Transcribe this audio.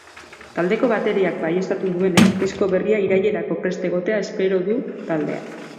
Taldeko bateriak baieztatu duenez, disko berria irailerako prest egotea espero du taldeak.